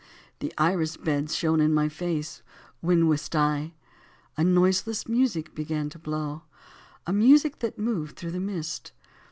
The iris beds shone in my face, when, whist I A noiseless music began to blow, A music that moved through the mist.